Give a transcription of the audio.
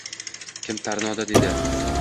Kim “Tornado” dedi